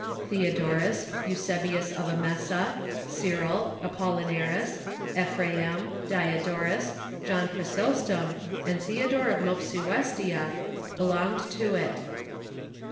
Theodorus, Eusebius of Emesa, Cyril, Apol linaris, Ephraem, Diodorus, John Chrysostom, and Theodore of Mopsuestia belonged to it.